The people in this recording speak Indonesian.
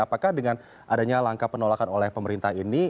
apakah dengan adanya langkah penolakan oleh pemerintah ini